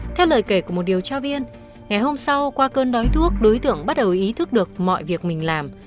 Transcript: theo lời kể của một điều tra viên ngày hôm sau qua cơn đói thuốc đối tượng bắt đầu ý thức được mọi việc mình làm